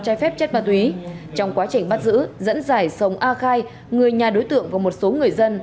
trái phép chất ma túy trong quá trình bắt giữ dẫn giải sông a khai người nhà đối tượng và một số người dân